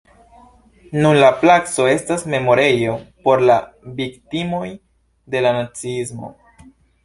Nun la placo estas memorejo por la viktimoj de la naziismo.